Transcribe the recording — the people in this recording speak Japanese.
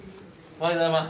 おはようございます。